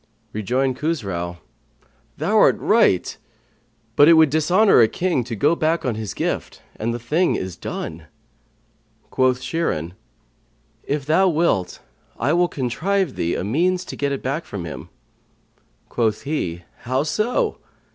'" Rejoined Khusrau, "Thou art right, but it would dishonour a king to go back on his gift; and the thing is done." Quoth Shirin, "If thou wilt, I will contrive thee a means to get it back from him." Quoth he, "How so?"